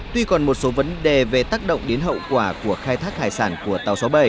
tuy còn một số vấn đề về tác động đến hậu quả của khai thác hải sản của tàu sáu mươi bảy